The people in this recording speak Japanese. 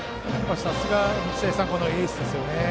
さすが日大三高のエースですよね。